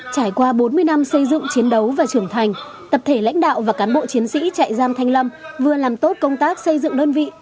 trải qua bốn mươi năm xây dựng chiến đấu và trưởng thành tập thể lãnh đạo và cán bộ chiến sĩ trại giam thanh lâm vừa làm tốt công tác xây dựng đơn vị